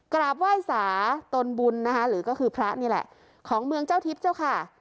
กราบไหว้สาตนบุญนะคะหรือก็คือพระนี่แหละของเมืองเจ้าทิพย์เจ้าค่ะ